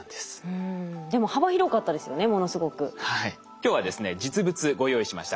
今日はですね実物ご用意しました。